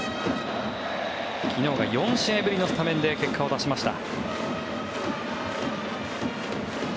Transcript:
昨日が４試合ぶりのスタメンで結果を出しました。